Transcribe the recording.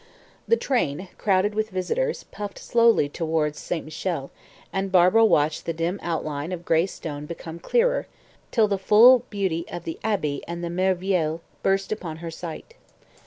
The train, crowded with visitors, puffed slowly towards St. Michel, and Barbara watched the dim outline of gray stone become clearer, till the full beauty of the Abbaye and the Merveille burst upon her sight.